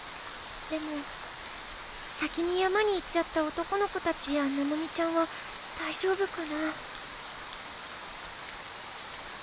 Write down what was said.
でも先に山に行っちゃった男の子たちやののみちゃんはだいじょうぶかな？